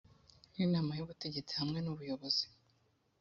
n inama y ubutegetsi hamwe n ubuyobozi